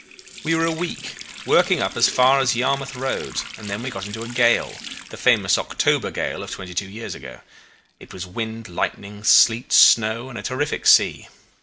"We were a week working up as far as Yarmouth Roads, and then we got into a gale the famous October gale of twenty two years ago. It was wind, lightning, sleet, snow, and a terrific sea.